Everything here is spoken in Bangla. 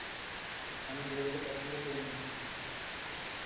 আমি জুয়েলকে পছন্দ করিনা।